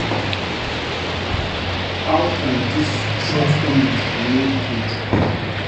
How can this shortcoming be made good?